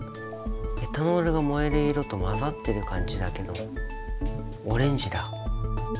エタノールが燃える色と混ざってる感じだけどオレンジだ。